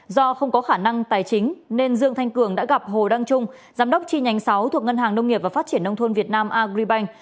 do không có khả năng tài chính nên dương thanh cường đã gặp hồ đăng trung giám đốc chi nhánh sáu thuộc ngân hàng nông nghiệp và phát triển nông thôn việt nam agribank